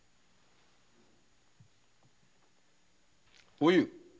おゆう。